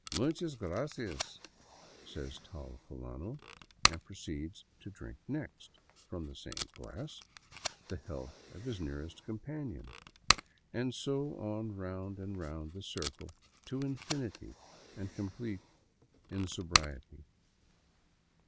" Muchas gracias," says Tal Fulano, and proceeds to drink next — from the same glass — the health of his nearest companion; and so on round and round the circle to infinity and complete in sobriety.